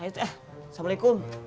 ayo teh assalamualaikum